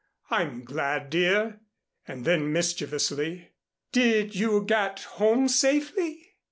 "I'm glad, dear." And then mischievously, "Did you get home safely?"